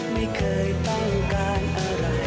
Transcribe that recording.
ไม่เคยต้องการอะไร